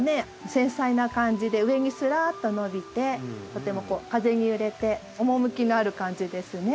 繊細な感じで上にすらっと伸びてとても風に揺れておもむきのある感じですね。